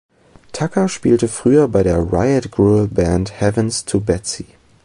Tucker spielte früher bei der Riot-Grrrl-Band "Heavens to Betsy".